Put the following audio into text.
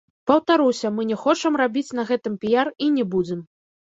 Паўтаруся, мы не хочам рабіць на гэтым піяр і не будзем.